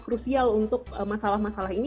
krusial untuk masalah masalah ini